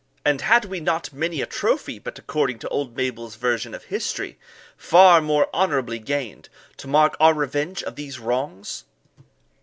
And had we not many a trophy, but, according to old Mabel's version of history, far more honourably gained, to mark our revenge of these wrongs?